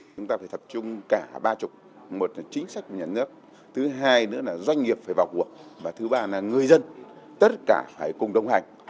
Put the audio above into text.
chúng ta phải tập trung cả ba mươi một là chính sách của nhà nước thứ hai nữa là doanh nghiệp phải vào cuộc và thứ ba là người dân tất cả phải cùng đồng hành